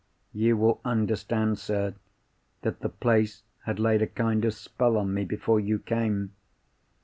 You will understand, sir, that the place had laid a kind of spell on me before you came.